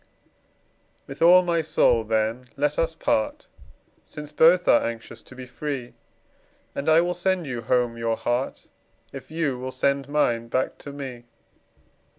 With all my soul, then, let us part, Since both are anxious to be free; And I will sand you home your heart, If you will send mine back to me.